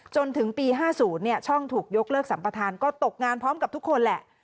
จนถึงปี๕๐ช่องถูกยกเลิกสัมประธานก็ตกงานพร้อมกับทุกคนแหละ